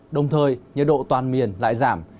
đồng thời nhiệt độ toàn miền lại giảm